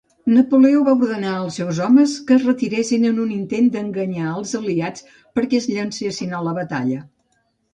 Napoleó va ordenar als seus homes que es retiressin en un intent d'enganyar els aliats perquè es llancessin a la batalla.